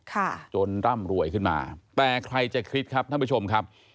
จนร่ำรวยขึ้นมาแต่ใครจะคิดครับท่านผู้ชมครับ